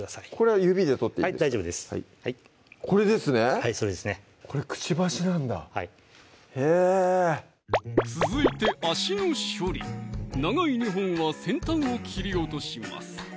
はい大丈夫ですこれですねはいそれですねこれくちばしなんだへぇ続いて足の処理長い２本は先端を切り落とします